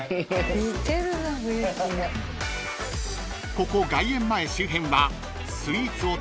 ［ここ外苑前周辺は］